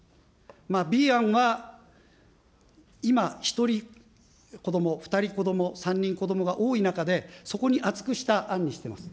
Ｂ案は今、１人こども、２人こども、３人こどもが多い中で、そこに厚くした案にしてます。